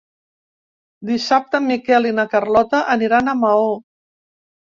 Dissabte en Miquel i na Carlota aniran a Maó.